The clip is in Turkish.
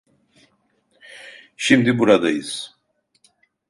Şimdi buradayız.